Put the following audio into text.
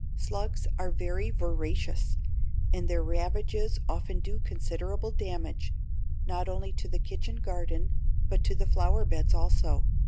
Slugs are very voracious, and their ravages often do considerable damage, not only to the kitchen garden, but to the flower beds also.